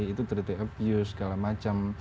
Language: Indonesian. itu treaty abuse segala macam